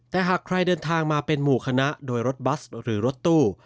แต่หากใครเดินทางมาเป็นหมู่คณะโดยรถบัสหรือรถตู้